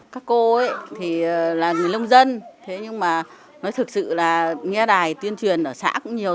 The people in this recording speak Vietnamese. các cô ấy thì là người lông dân thế nhưng mà nó thực sự là nghe đài tuyên truyền ở xã cũng nhiều